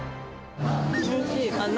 おいしい。